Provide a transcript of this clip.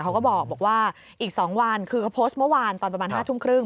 เขาก็บอกว่าอีก๒วันคือเขาโพสต์เมื่อวานตอนประมาณ๕ทุ่มครึ่ง